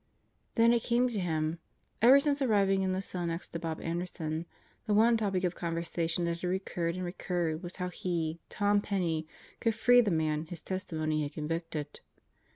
... Then it came to him. Ever since arriving in the cell next to Bob Anderson, the one topic of conversation that had recurred and recurred was how he, Tom Penney, could free the man his testimony had convicted.